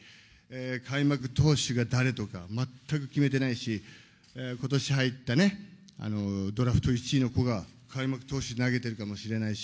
開幕投手が誰とか、全く決めてないし、ことし入ったね、ドラフト１位の子が開幕投手で投げてるかもしれないし、